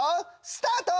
スタート！